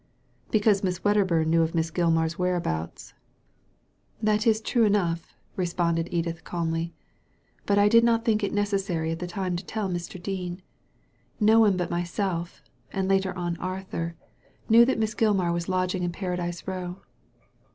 " Because Miss Wedderburn knew of Miss Gilmar's whereabouts." Digitized by Google 246 THE LADY FROM NOWHERE "That is true enough,'' responded Edith, calmly ;" but I did not think it necessaiy at the time to tell Mr. Dean. No one but myself— and later on Arthur — ^knew that Miss Gilmar was lodging in Paradise Row.